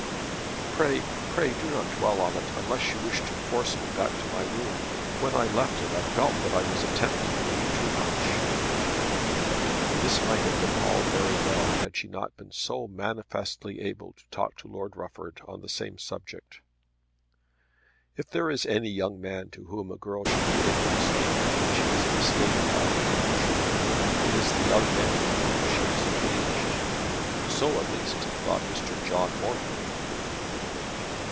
"Pray, pray, do not dwell on it, unless you wish to force me back to my room. When I left it I felt that I was attempting to do too much." This might have been all very well had she not been so manifestly able to talk to Lord Rufford on the same subject. If there is any young man to whom a girl should be able to speak when she is in a state of violent emotion, it is the young man to whom she is engaged. So at least thought Mr. John Morton.